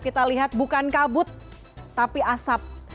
kita lihat bukan kabut tapi asap